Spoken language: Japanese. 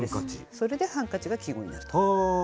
それでハンカチが季語になると。